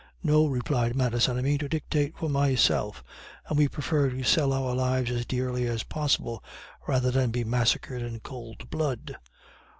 "No," replied Madison, "I mean to dictate for myself and we prefer to sell our lives as dearly as possible, rather than be massacred in cold blood."